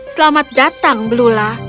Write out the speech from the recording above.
selamat datang blula